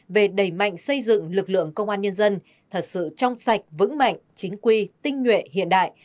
về đẩy mạnh xây dựng lực lượng công an nhân dân thật sự trong sạch vững mạnh chính quy tinh nguyện hiện đại